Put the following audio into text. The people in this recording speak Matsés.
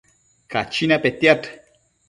Cachina petiad